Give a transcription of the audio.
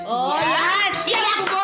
oh ya siap bos